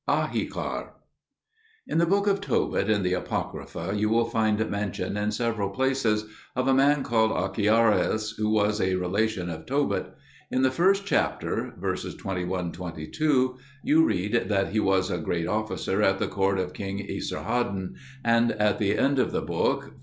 AHIKAR In the Book of Tobit in the Apocrypha you will find mention in several places of a man called Achiacharus, who was a relation of Tobit, In the first chapter (verses 21, 22) you read that he was a great officer at the court of king Esarhaddon; and at the end of the book (xiv.